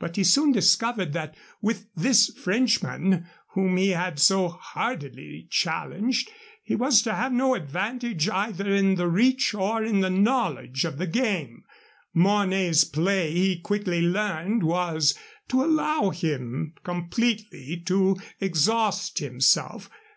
But he soon discovered that with this Frenchman, whom he had so hardily challenged, he was to have no advantage either in the reach or in the knowledge of the game. Mornay's play, he quickly learned, was to allow him completely to exhaust himself.